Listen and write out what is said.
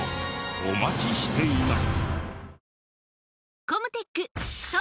お待ちしています。